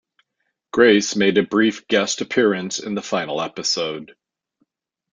Grace made a brief guest appearance in the final episode.